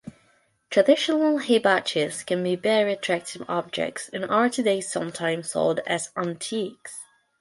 Traditional hibachis can be very attractive objects and are today sometimes sold as antiques.